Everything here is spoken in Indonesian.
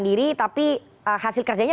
diri tapi hasil kerjanya